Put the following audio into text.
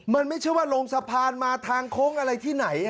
มันไม่ใช่ว่าลงสะพานมาทางโค้งอะไรที่ไหน